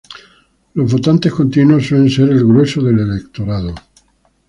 Los votantes continuos suelen ser el grueso del electorado.